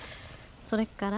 それから？